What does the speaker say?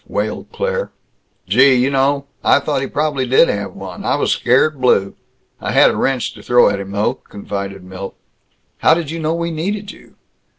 wailed Claire. "Gee, you know, I thought he probably did have one. I was scared blue. I had a wrench to throw at him though," confided Milt. "How did you know we needed you?"